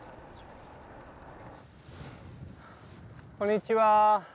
こんにちは。